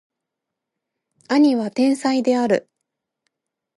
兄は天才である